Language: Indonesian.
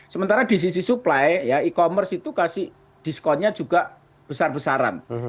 sementara di sisi supply ya e commerce itu kasih diskonnya juga besar besaran